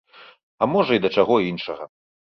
А можа, і да чаго іншага.